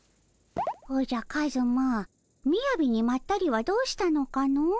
おじゃカズマみやびにまったりはどうしたのかの？